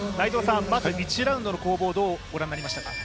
まず１ラウンドの攻防、どうご覧になりましたか。